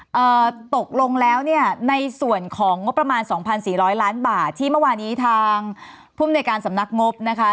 เอ่อตกลงแล้วเนี่ยในส่วนของงบประมาณสองพันสี่ร้อยล้านบาทที่เมื่อวานี้ทางภูมิในการสำนักงบนะคะ